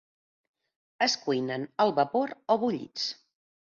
Es cuinen al vapor o bullits.